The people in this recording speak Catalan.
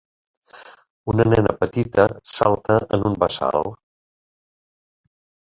Una nena petita salta en un bassal